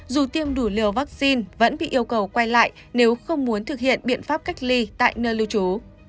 dù tiêm đủ liều vaccine vẫn bị yêu cầu quay lại nếu không muốn thực hiện biện pháp cách ly tại nơi lưu trú